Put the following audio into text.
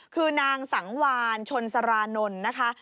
คือนางสังวานชลสารณนะคะ